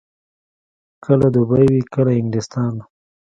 کله دوبۍ وي، کله انګلستان.